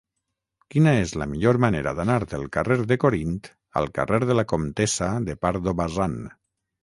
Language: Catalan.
Quina és la millor manera d'anar del carrer de Corint al carrer de la Comtessa de Pardo Bazán?